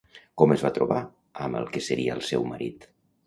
Com es va trobar amb el que seria el seu marit?